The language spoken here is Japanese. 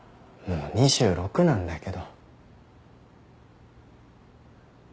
もう２６なんだけど。